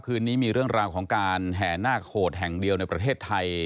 คืนนี้มีเรื่องราวของการแห่นาคโหดแห่งเดียวในประเทศไทย